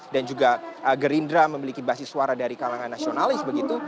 dan juga gerindra memiliki basis suara dari kalangan nasionalis begitu